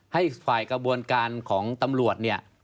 ให้ฝ่ายกระบวนการของตำรวจเนี่ย